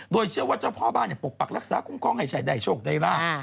โดยเชื่อว่าเจ้าพ่อบ้านเนี่ยปกปักรักษาคุ้มคล้องให้ชายได้โชคได้ล่า